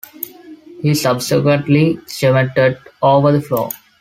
He subsequently cemented over the floor.